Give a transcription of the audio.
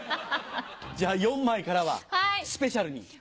じゃ４枚からはスペシャルに。